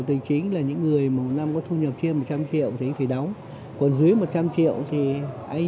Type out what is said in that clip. tài chính là những người mà một năm có thu nhập trên một trăm linh triệu thì anh phải đóng còn dưới một trăm linh triệu thì anh